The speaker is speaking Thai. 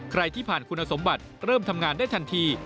ที่ผ่านคุณสมบัติเริ่มทำงานได้ทันที